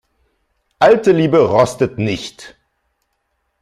Alte Liebe rostet nicht.